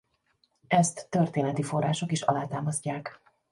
Ezt történeti források is alátámasztják.